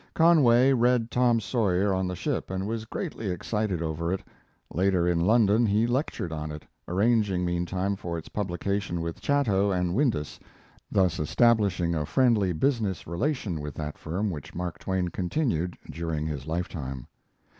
Conway read Tom Sawyer on the ship and was greatly excited over it. Later, in London, he lectured on it, arranging meantime for its publication with Chatto & Windus, thus establishing a friendly business relation with that firm which Mark Twain continued during his lifetime.